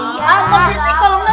ya allah positif kalau